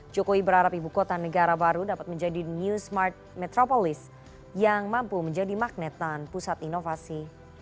joko widodo berharap ibu kota negara baru dapat menjadi new smart metropolis yang mampu menjadi magnetan pusat inovasi